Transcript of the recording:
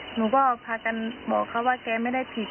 หนูก็พากันบอกเขาว่าแกไม่ได้ผิด